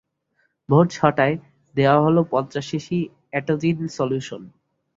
ভোর ছটায় দেওয়া হল পঞ্চাশ সিসি এটোজিন সলুশন।